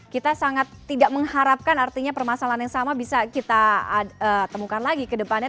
kita sangat tidak mengharapkan artinya permasalahan yang sama bisa kita temukan lagi ke depannya